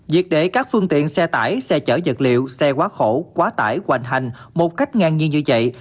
việc để các phương tiện xe tải xe chở vật liệu xe quá khổ quá tải hoành hành một cách ngang nhiên như vậy